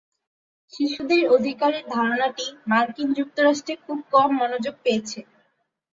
শিশুদের অধিকারের ধারণাটি মার্কিন যুক্তরাষ্ট্রে খুব কম মনোযোগ পেয়েছে।